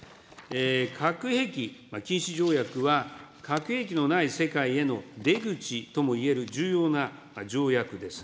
核兵器禁止条約は、核兵器のない世界への出口ともいえる重要な条約です。